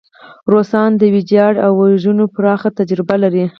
روسان د ویجاړۍ او وژنو پراخه تجربه لري.